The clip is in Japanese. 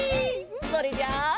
それじゃあ。